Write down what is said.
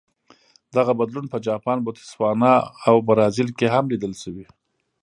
دغه بدلون په جاپان، بوتسوانا او برازیل کې هم لیدل شوی.